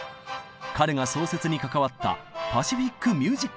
彼が創設に関わったパシフィック・ミュージック・フェスティバル。